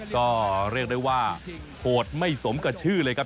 ก็เรียกได้ว่าโหดไม่สมกับชื่อเลยครับ